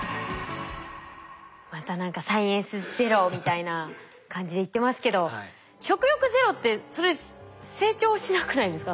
また何か「サイエンスＺＥＲＯ」みたいな感じで言ってますけど食欲ゼロってそれ成長しなくないですか？